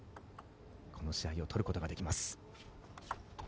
この試合を取ることができます。